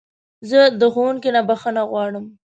زه د ښوونکي نه بخښنه غواړم.